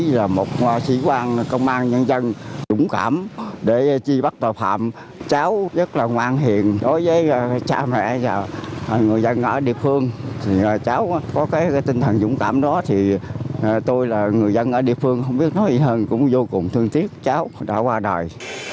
đồng chí hồ tấn dương là người dân ở địa phương không biết nói gì hơn cũng vô cùng thương tiếc cháu đã qua đời